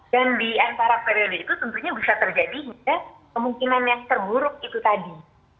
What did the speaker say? dan diantara periode itu tentunya bisa terjadi kemungkinan yang terburuk itu tadi